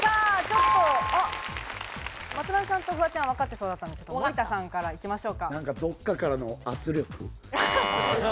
松丸さんとフワちゃん、分かってそうだったんですけれども、森田さんからいきましょうか。